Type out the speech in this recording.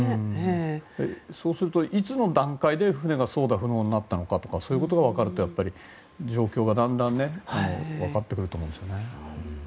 そうすると、いつの段階で船が操舵不能になったのかとかそういうことが分かると状況がだんだんと分かってくると思うんですけどね。